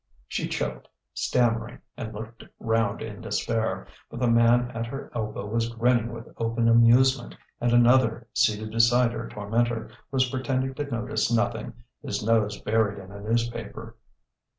She choked, stammering, and looked round in despair. But the man at her elbow was grinning with open amusement, and another, seated beside her tormentor, was pretending to notice nothing, his nose buried in a newspaper.